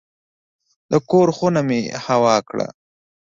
د کور خونه مې هوا کړه.